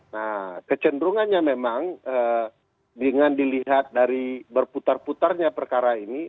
nah kecenderungannya memang dengan dilihat dari berputar putarnya perkara ini